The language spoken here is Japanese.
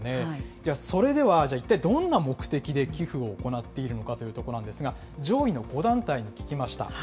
では、それでは一体どんな目的で寄付を行っているのかというところなんですが、上位の５団体に聞きました。